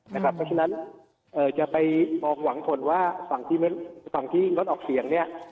เพราะฉะนั้นจะไปมองหวังผลว่าฝั่งที่งดออกเสียงเนี่ย